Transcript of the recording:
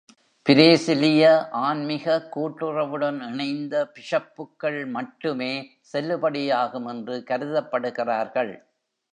பிரேசிலிய ஆன்மிக கூட்டுறவுடன் இணைந்த பிஷப்புகள் மட்டுமே செல்லுபடியாகும் என்று கருதப்படுகிறார்கள்.